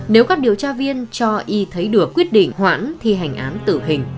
nếu các điều tra viên cho y thấy được quyết định hoãn thi hành án tử hình